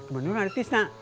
beneran ada tisna